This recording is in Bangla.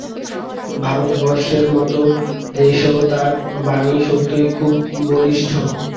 ভারতবর্ষের মত দেশেও তাঁর বাণী সত্যই খুব বলিষ্ঠ।